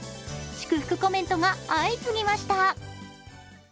祝福コメントが相次ぎました。